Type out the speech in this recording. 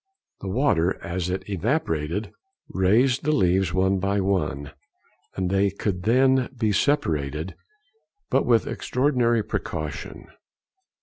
The water as it evaporated raised the leaves one by one, and they could be separated, but with extraordinary precaution.